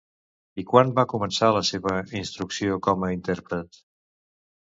I quan va començar la seva instrucció com a intèrpret?